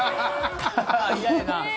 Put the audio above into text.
嫌やな。